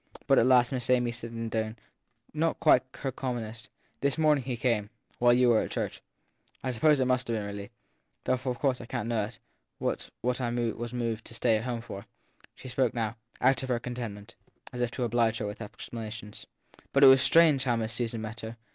But at last Miss Amy said in a tone not quite her commonest : This morning he came while you were at church. I sup pose it must have been really though of course I couldn t THE THIRD PERSON 267 know it what I was moved to stay at home for. She spoke now ou t of her contentment as if to oblige with explana tions. But it was strange how Miss Susan met her.